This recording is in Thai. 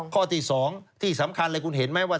ข้อที่๒ที่สำคัญเลยคุณเห็นไหมว่า